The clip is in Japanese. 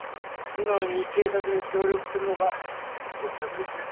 素直に警察に協力するのが得策ですよ。